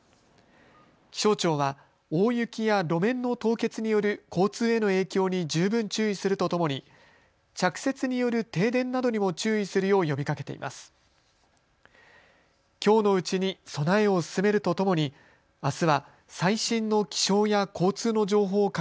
気象庁は大雪や路面の凍結による交通への影響に十分注意するとともに着雪による停電などにも注意するよう呼びかけています。